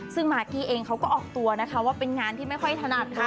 ซึ่งมากกี้เองเขาก็ออกตัวนะคะว่าเป็นงานที่ไม่ค่อยถนัดค่ะ